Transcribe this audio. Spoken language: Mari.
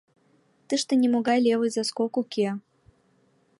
Тыште нимогай левый заскок уке...